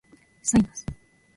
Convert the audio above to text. サイナス